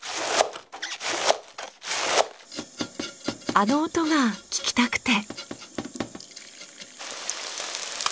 あの音が聞きたくて。